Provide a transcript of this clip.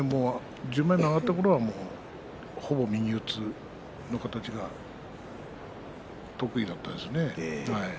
十両に上がったころにはほぼ右四つの形が得意だったんですね。